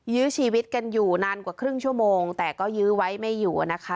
ยื้อชีวิตกันอยู่นานกว่าครึ่งชั่วโมงแต่ก็ยื้อไว้ไม่อยู่นะคะ